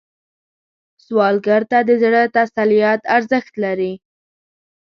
سوالګر ته د زړه تسلیت ارزښت لري